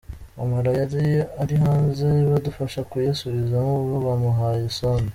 Amara yari ari hanze badufasha kuyasubizamo ubu bamuhaye Sonde.